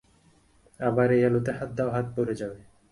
আবার এই আলোতে হাত দাও, হাত পুড়ে যাবে।